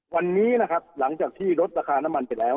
วันนี้นะครับหลังจากที่ลดราคาน้ำมันไปแล้ว